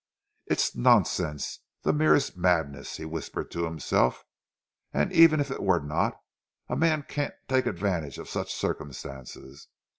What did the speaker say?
"It's nonsense, the merest madness!" he whispered to himself. "And even if it were not a man can't take advantage of such circumstances.